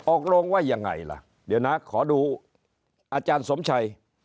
ลงว่ายังไงล่ะเดี๋ยวนะขอดูอาจารย์สมชัย